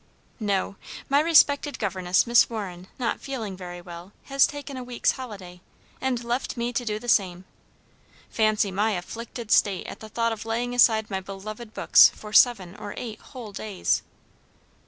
"No; my respected governess, Miss Warren, not feeling very well, has taken a week's holiday, and left me to do the same. Fancy my afflicted state at the thought of laying aside my beloved books for seven or eight whole days."